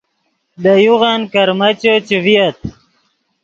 لے یوغن کرمیچے چے ڤییت